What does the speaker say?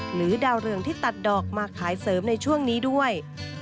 ดาวเรืองที่ตัดดอกมาขายเสริมในช่วงนี้ด้วย